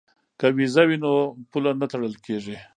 که ویزه وي نو پوله نه تړل کیږي.